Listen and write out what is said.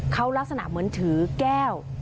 เขาลักษณะเหมือนถือแก้ว